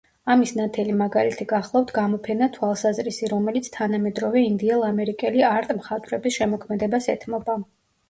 ამის ნათელი მაგალითი გახლავთ გამოფენა „თვალსაზრისი“, რომელიც თანამედროვე ინდიელ-ამერიკელი არტ მხატვრების შემოქმედებას ეთმობა.